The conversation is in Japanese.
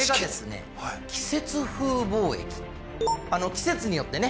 季節によってね